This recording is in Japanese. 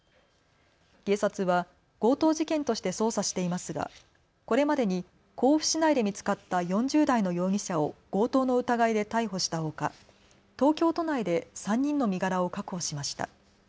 警察は強盗事件として捜査していますがこれまでに甲府市内で見つかった４０代の容疑者を強盗の疑いで逮捕したほか東京都内で３人の身柄を確保しました。